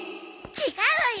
違うわよ